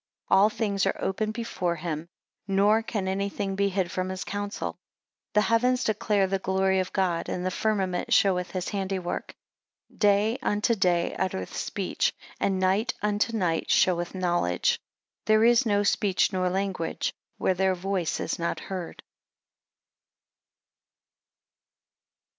16 All things are open before him; nor can anything be hid from his counsel. 17 The heavens declare the glory of God, and the firmament showeth his handy work. Day unto day uttereth speech, and night unto night showeth knowledge. There is no speech nor language where their voice is not heard.